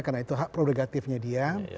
karena itu hak prolegatifnya dia